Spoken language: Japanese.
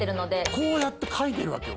こうやって描いてるわけよ